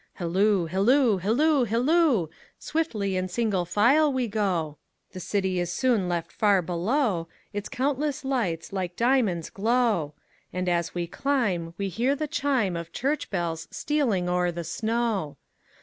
Hilloo, hilloo, hilloo, hilloo! Swiftly in single file we go, The city is soon left far below, Its countless lights like diamonds glow; And as we climb we hear the chimeOf church bells stealing o'er the snow.